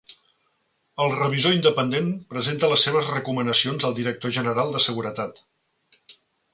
El revisor independent presenta les seves recomanacions al director general de Seguretat.